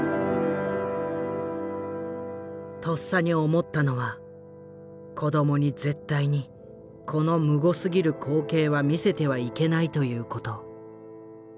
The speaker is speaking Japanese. とっさに思ったのは子供に絶対にこのむごすぎる光景は見せてはいけないということ。